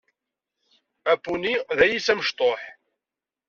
Apuni d ayis amecṭuḥ.